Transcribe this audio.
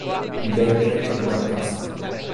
Il ventre è biancastro.